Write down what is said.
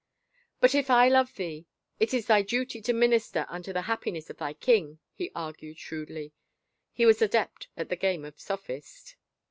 " But if I love thee, it is thy duty to minister unto the happiness of thy king," he argued shrewdly. He was an adept at the game of sophist.